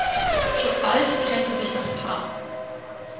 Schon bald trennte sich das Paar.